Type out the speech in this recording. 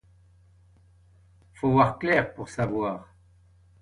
Faut voir clair, pour savoir.